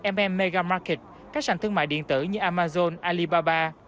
mm megamarket các sản thương mại điện tử như amazon alibaba